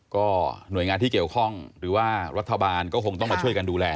ก็หน่วยงานที่เกี่ยวข้องหรือว่ารัฐบาลก็คงต้องมาช่วยกันดูแล